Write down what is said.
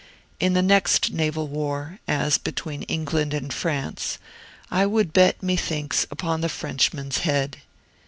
In the next naval war, as between England and France, I would bet, methinks, upon the Frenchman's head.